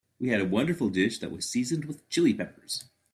We had a wonderful dish that was seasoned with Chili Peppers.